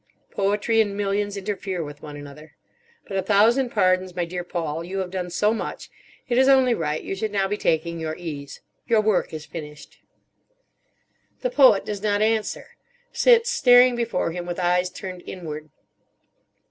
Poetry and millions interfere with one another. But a thousand pardons, my dear Paul. You have done so much. It is only right you should now be taking your ease. Your work is finished." The Poet does not answer. Sits staring before him with eyes turned inward.